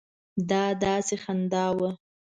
دا داسې خندا وه.